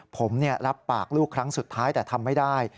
ผมรับปากลูกครั้งสุดท้ายแต่ทำไม่ได้